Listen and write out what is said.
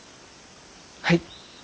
はい。